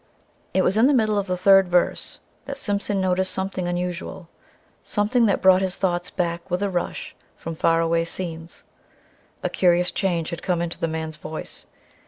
It was in the middle of the third verse that Simpson noticed something unusual something that brought his thoughts back with a rush from faraway scenes. A curious change had come into the man's voice.